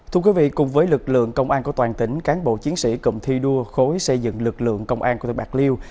thưa quý vị cùng với lực lượng công an của toàn tỉnh cán bộ chiến sĩ cụm thi đua khối xây dựng lực lượng công an của tây bạc liêu